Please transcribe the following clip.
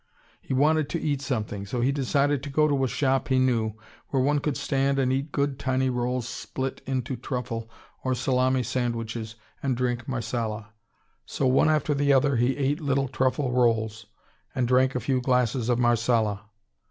He wanted to eat something, so he decided to go to a shop he knew, where one could stand and eat good tiny rolls split into truffle or salami sandwiches, and drink Marsala. So one after the other he ate little truffle rolls, and drank a few glasses of Marsala.